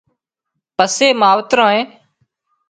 پسي ماوترانئي